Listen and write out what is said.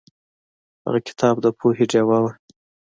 هغه کتاب د پوهې ډیوه وه.